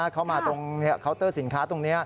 เขามาตรงเคาน์เตอร์สินค้าตรงนี้